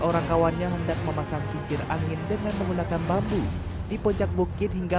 orang kawannya hendak memasang kincir angin dengan menggunakan bambu di puncak bukit hingga